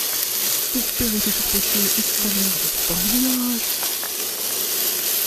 Son père était charpentier et sa mère, femme de ménage.